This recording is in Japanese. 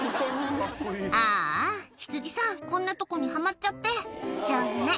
「ああヒツジさんこんなとこにはまっちゃって」「しょうがない